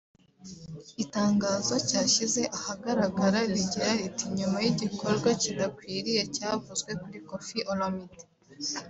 Itangazo cyashyize ahagaragara rigira riti “Nyuma y’igikorwa kidakwiriye cyavuzwe kuri Koffi Olomide